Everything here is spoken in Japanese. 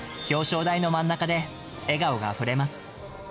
表彰台の真ん中で笑顔があふれます。